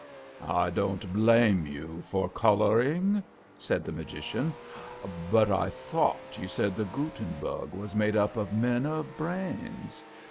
"I don't blame you for coloring," said the magician. "But I thought you said the Gutenberg was made up of men of brains?